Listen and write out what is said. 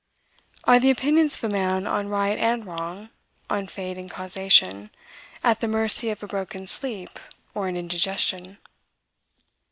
Are the opinions of a man on right and wrong, on fate and causation, at the mercy of a broken sleep or an indigestion?